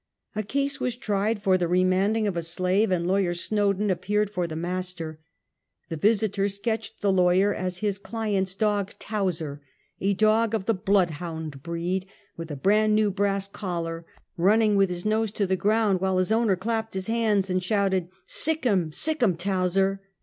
A case was tried for the remanding of a slave, and lawyer Snowden appeared for the master. Tlie Visiter sketched the lawyer as his client's dog, Towser; a dog of the blood hound breed, with a brand new brass collar, running with his nose to the ground, while his owner clapped his hands and shouted: "Seek bim, seek him Towser